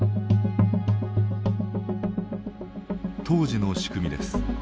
当時の仕組みです。